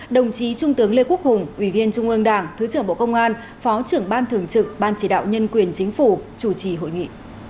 đồng chí trung tướng lê quốc hùng ủy viên trung ương đảng thứ trưởng bộ công an phó trưởng ban thường trực ban chỉ đạo nhân quyền chính phủ chủ trì hội nghị